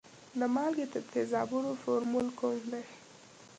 د مالګې د تیزابونو فورمول کوم دی؟